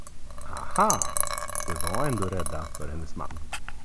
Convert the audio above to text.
Aha, de var ändå rädda för hennes man.